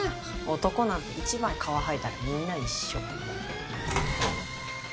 男なんて一枚皮剥いだらみんな一緒。